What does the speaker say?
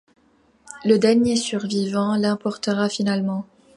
Le dernier survivant l'emportera finalement.